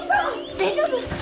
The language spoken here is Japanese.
大丈夫！？